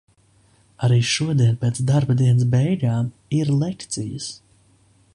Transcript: Arī šodien pēc darba dienas beigām ir lekcijas.